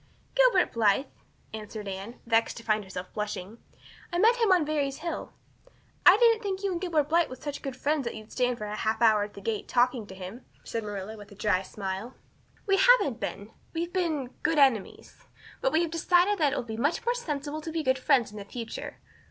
"Gilbert Blythe," answered Anne, vexed to find herself blushing. "I met him on Barry's hill." "I didn't think you and Gilbert Blythe were such good friends that you'd stand for half an hour at the gate talking to him," said Marilla with a dry smile. "We haven't been we've been good enemies. But we have decided that it will be much more sensible to be good friends in the future.